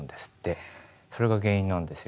それが原因なんですよ。